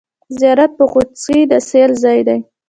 زیارت یا غوڅکۍ د سېل ځای دی.